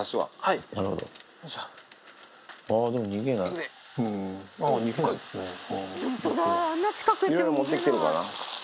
いろいろ持ってきてるからな。